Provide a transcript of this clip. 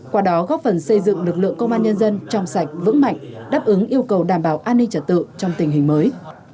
qua đó góp phần xây dựng lực lượng công an nhân dân trong sạch vững mạnh đáp ứng yêu cầu đảm bảo an ninh trật tự trong tình hình mới